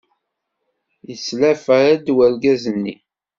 Yetlafa-d urgaz-nni.